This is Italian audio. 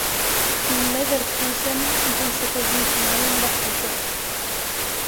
Il Leverkusen giunse così in finale imbattuto.